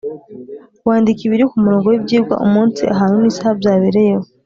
Wandike ibiri ku murongo w’ibyigwa umunsi ahantu n’isaha byabereyeho